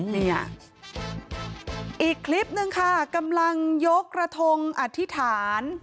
เนี่ยอีกคลิปนึงค่ะกำลังยกระทงอธิษฐาน